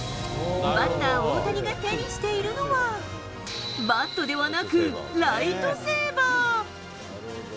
バッター、大谷が手にしているのは、バットではなく、ライトセーバー。